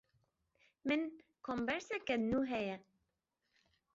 Min komberseke nû heye.